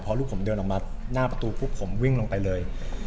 พอลูกผมเดินออกมาหน้าประตูปุ๊บผมวิ่งลงไปเลย